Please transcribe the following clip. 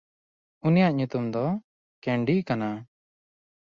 ᱩᱱᱤᱭᱟᱜ ᱧᱩᱛᱩᱢ ᱫᱚ ᱠᱮᱱᱰᱤ ᱠᱟᱱᱟ᱾